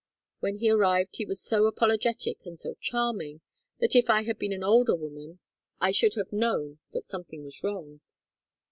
When he arrived he was so apologetic and so charming that if I had been an older woman I should have known that something was wrong.